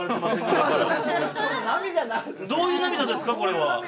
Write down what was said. どういう涙ですかこれは。